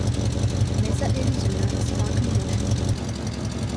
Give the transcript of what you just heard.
Misa Arizona Spokane Washington